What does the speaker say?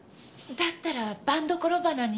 だったら番所鼻に。